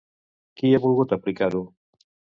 Qui ha volgut aplicar-ho?